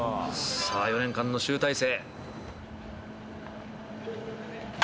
さあ、４年間の集大成。